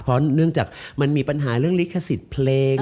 เพราะเหมือนมีปัญหาเรื่องลิขสิทธิ์เพลง